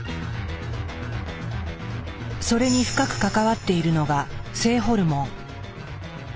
それに深く関わっているのが性ホルモン。